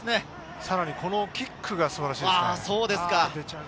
さらにこのキックが素晴らしいですね。